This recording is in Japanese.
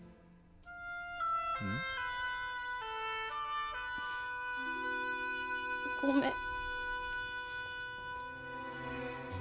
ん？ごめん。